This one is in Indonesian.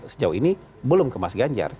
sejauh ini belum ke mas ganjar